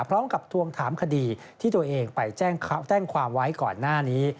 ทวงถามคดีที่ตัวเองไปแจ้งความไว้ก่อนหน้านี้